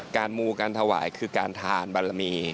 มูการถวายคือการทานบารมี